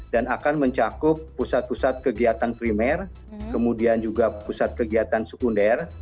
dan akan mencakup pusat pusat kegiatan primer kemudian juga pusat kegiatan sekunder